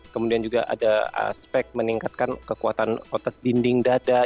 kemudian juga ada aspek meningkatkan kekuatan otot dinding dada